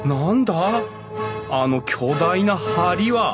あの巨大な梁は！